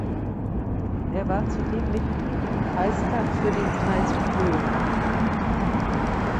Er war zudem Mitglied im Kreistag für den Kreis Plön.